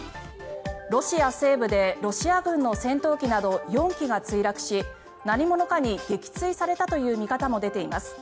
ロシア西部でロシア軍の戦闘機など４機が墜落し何者かに撃墜されたという見方も出ています。